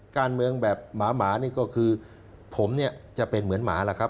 การเมืองแบบหมานี่ก็คือผมเนี่ยจะเป็นเหมือนหมาล่ะครับ